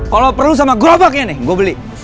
kalau perlu sama gerobaknya nih gue beli